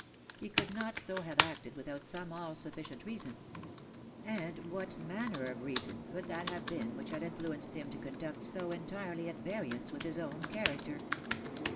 He could not so have acted without some all suffi cient reason : and what manner of reason could that have been 100 The Fatal Three. which had influenced him to conduct so entirely at variance with his own character